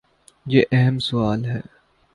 یہ اہم سوال ہے۔